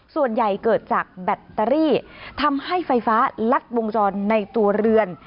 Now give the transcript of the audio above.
เกิดจากแบตเตอรี่ทำให้ไฟฟ้าลัดวงจรในตัวเรือน